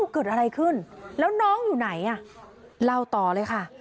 เกิดอะไรขึ้นแล้วน้องอยู่ไหนเล่าต่อเลยค่ะ